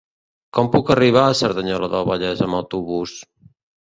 Com puc arribar a Cerdanyola del Vallès amb autobús?